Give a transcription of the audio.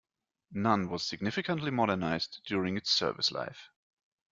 None was significantly modernised during its service life.